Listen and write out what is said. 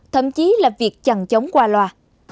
thậm chí là việc chằn chóng qua loa